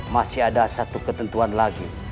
masih ada satu ketentuan lagi